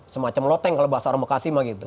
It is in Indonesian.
semacam loteng kalau bahasa aromakasih mah gitu